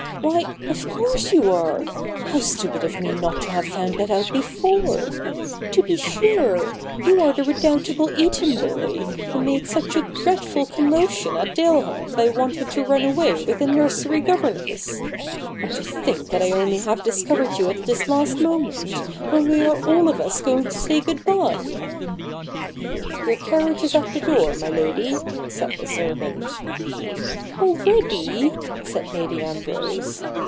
' Why, of course you are How stupid of me not to have found that out before ! To be sure — you are the redoubtable Eton boy, who made such a dreadful commotion at Daleham by wanting to run away with the nursery governess. And to think that I only have discovered you at this last moment, when we are all of us going to say good bye !' 'Your carriage is at the door, my Lady,' said a servant. 256 THE NEW REPUBLIC [bk. v ' Already !' said Lady Ambrose.